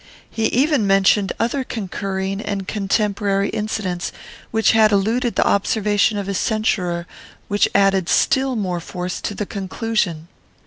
He even mentioned other concurring and contemporary incidents, which had eluded the observation of his censurer, and which added still more force to the conclusion.